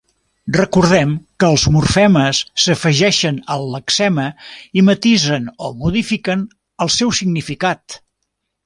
Recordem que els morfemes s'afegeixen al lexema i matisen o modifiquen el seu significat.